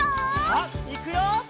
さあいくよ！